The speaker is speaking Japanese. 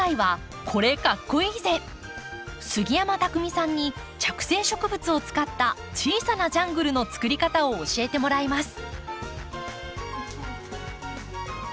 杉山拓巳さんに着生植物を使った小さなジャングルの作り方を教えてもらいます。